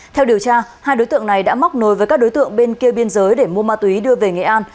theo điều tra hai đối tượng này đã móc nối với các đối tượng bên kia biên giới để mua ma túy đưa về nghệ an